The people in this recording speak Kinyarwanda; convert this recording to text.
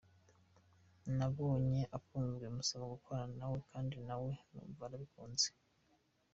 Nabonye akunzwe musaba gukorana na we kandi na we numva arabikunze.